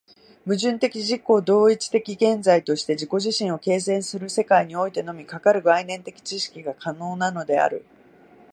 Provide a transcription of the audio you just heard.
矛盾的自己同一的現在として自己自身を形成する世界においてのみ、かかる概念的知識が可能なのである。